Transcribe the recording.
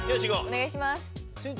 お願いします。